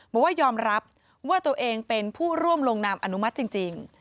บอกว่ายอมรับว่าตัวเองเป็นผู้ร่วมลงนามอนุมัติจริง